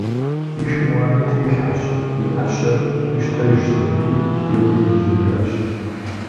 И шым уанэ трилъхьэщ, и ӏэщэр къищтэжщ аби, еуэри ежьэжащ.